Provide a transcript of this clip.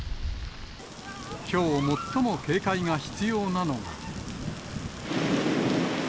きょう最も警戒が必要なのは。